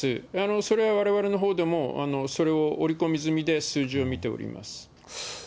それはわれわれのほうでもそれを織り込み済みで数字を見ておりま